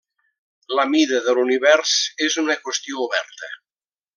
La mida de l'univers és una qüestió oberta.